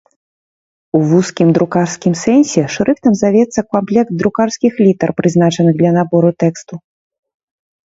У вузкім друкарскім сэнсе шрыфтам завецца камплект друкарскіх літар, прызначаных для набору тэксту.